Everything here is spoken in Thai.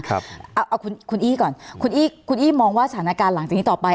เอาคุณอี้ก่อนคุณอี้คุณอี้มองว่าสถานการณ์หลังจากนี้ต่อไป